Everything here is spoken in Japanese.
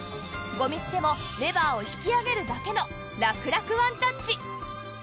ゴミ捨てもレバーを引き上げるだけの楽々ワンタッチ